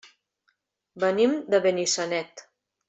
Venim de Benissanet.